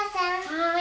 はい。